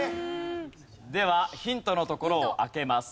ではヒントのところを開けます。